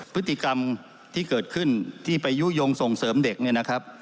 พฤติกรรมที่เกิดขึ้นที่ไปยุโยงส่งเสริมเด็ก